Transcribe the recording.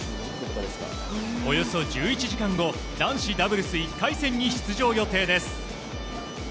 およそ１１時間後、男子ダブルス１回戦に出場予定です。